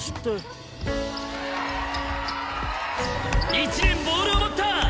１年ボールを持った！